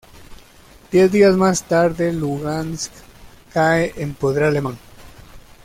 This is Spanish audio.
Diez días más tarde Lugansk cae en poder alemán.